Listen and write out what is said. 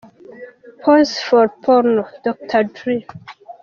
Pause for porno - Dr Dre.